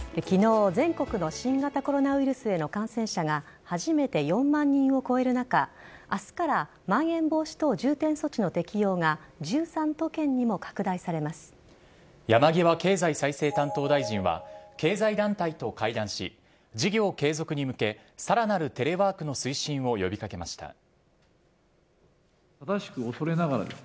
昨日、全国の新型コロナウイルスへの感染者が初めて４万人を超える中明日からまん延防止等重点措置の適用が山際経済再生担当大臣は経済団体と会談し事業継続に向けさらなるテレワークの推進を呼び掛けました。